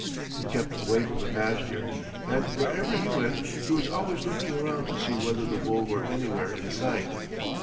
He kept away from the pasture, and wherever he went he was always looking around to see whether the bull were anywhere in sight.